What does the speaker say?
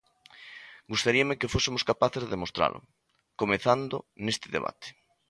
Gustaríame que fósemos capaces de demostralo comezando neste debate.